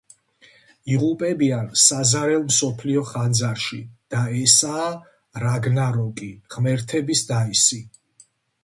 იღუპებიან საზარელ მსოფლიო ხანძარში, და ესაა რაგნაროკი, ღმერთების დაისი.